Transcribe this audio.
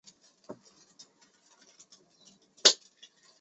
吉尔吉斯斯坦地震观测和研究中心还积极寻求解决各类区域性问题。